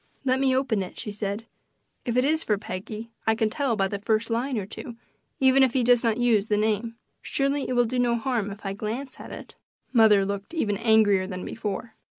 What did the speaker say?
"Let me open it," she said. "If it is for Peggy I can tell by the first line or two, even if he does not use the name. Surely it will do no harm if I glance at it." Mother looked even angrier than before.